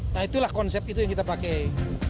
nah itulah konsep itu yang kita pakai